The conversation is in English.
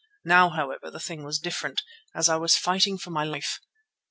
Now, however, the thing was different, as I was fighting for my life.